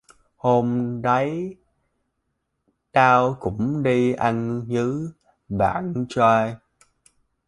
hôm đáy tao cũng đi ăn với bạn trai